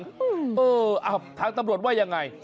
เออทางตำรวจว่ายังไง